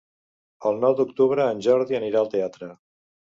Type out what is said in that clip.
El nou d'octubre en Jordi anirà al teatre.